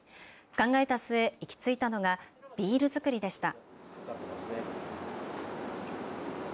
考えた末、行き着いたのが、ビール造りでした。